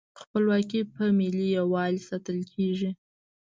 خپلواکي په ملي یووالي ساتل کیږي.